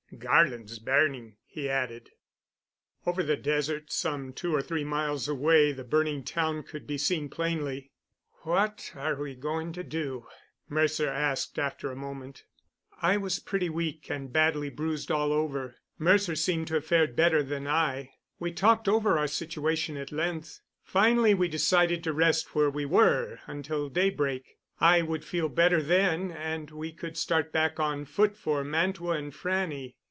"Garland's burning," he added. Over the desert, some two or three miles away, the burning town could be seen plainly. "What are we going to do?" Mercer asked after a moment. I was pretty weak and badly bruised all over. Mercer seemed to have fared better than I. We talked over our situation at length. Finally we decided to rest where we were until daybreak. I would feel better then, and we could start back on foot for Mantua and Frannie.